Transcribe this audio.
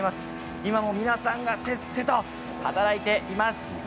今も皆さんがせっせと働いていきます。